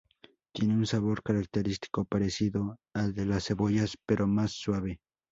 Tiene un sabor característico, parecido al de las cebollas pero más suave.